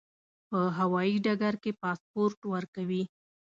په هوایي ډګر کې پاسپورت ورکوي.